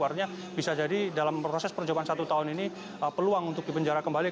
artinya bisa jadi dalam proses percobaan satu tahun ini peluang untuk dipenjara kembali